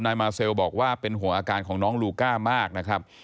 มาเซลบอกว่าเป็นห่วงอาการของน้องลูก้ามากนะครับ